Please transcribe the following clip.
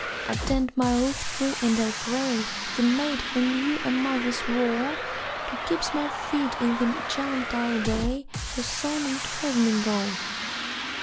(I tend my roof tree and I pray The Maid who knew a mother's woe To keep my feet in the gentile way Her Son would have me go.)